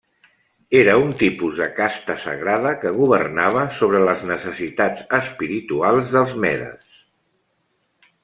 Era un tipus de casta sagrada que governava sobre les necessitats espirituals dels medes.